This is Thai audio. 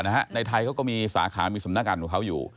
ในไทยเขาก็มีสาขามีสำนักงานของเขาอยู่